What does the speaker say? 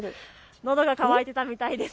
のどが渇いていたみたいです。